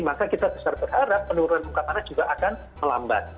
maka kita besar berharap penurunan muka tanah juga akan melambat